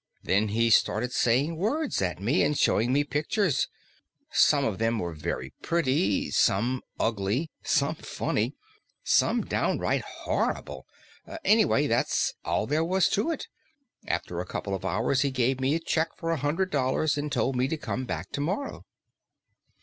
Then he started saying words at me, and showing me pictures. Some of them were very pretty; some ugly; some funny; some downright horrible.... Anyway, that's all there was to it. After a couple of hours he gave me a check for a hundred dollars and told me to come back tomorrow."